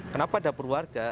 kenapa dapur warga